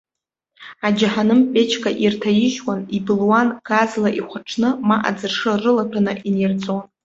Аџьаҳаным ԥечқәа ирҭаижьуан, ибылуан, газла ихәаҽны, ма аӡыршы рылаҭәаны инирҵәон.